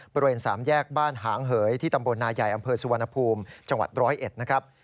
บริเวณสามแยกบ้านหางเหยที่ตำบลนายายอำเภอสุวรรณภูมิจรเอสนะครับ